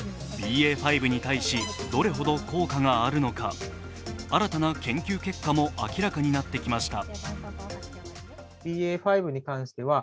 ＢＡ．５に対し、どれほど効果があるのか新たな研究結果も明らかになってきました。